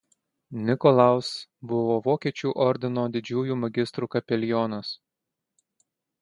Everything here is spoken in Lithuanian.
Nikolaus buvo Vokiečių ordino didžiųjų magistrų kapelionas.